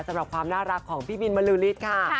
สำหรับความน่ารักของพี่บินบรือฤทธิ์ค่ะ